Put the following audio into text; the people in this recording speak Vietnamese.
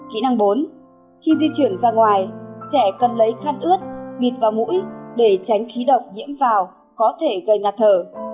kỹ năng bốn khi di chuyển ra ngoài trẻ cần lấy khăn ướt bịt vào mũi để tránh khí độc nhiễm vào có thể gây ngạt thở